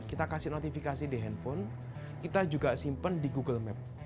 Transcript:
kita kasih notifikasi di handphone kita juga simpen di google map